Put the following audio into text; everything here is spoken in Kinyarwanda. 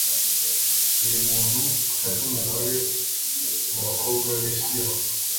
buri muntu afate umugore mu bakobwa b'i silo